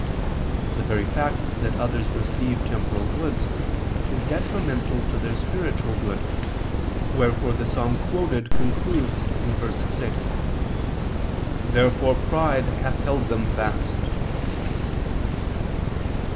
The very fact that others receive temporal goods, is detrimental to their spiritual good; wherefore the psalm quoted concludes (verse 6): "Therefore pride hath held them fast."